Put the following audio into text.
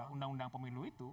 undang undang pemilu itu